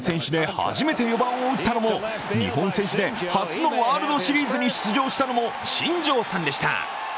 日本選手で初めて４番を打ったのも、日本選手でも初のワールドシリーズに出場したのも新庄さんでした。